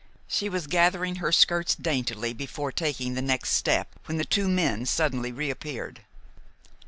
She was gathering her skirts daintily before taking the next step, when the two men suddenly reappeared.